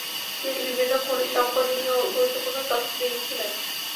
তিনি বিভিন্ন খনিজ সম্পদ নিয়ে গুরুত্বপূর্ণ তথ্য দিয়েছিলেন।